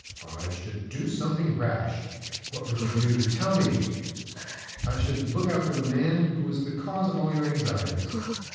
"I should do something rash." "What would you do? Tell me." "I should look out for the man who was the cause of all your anxieties."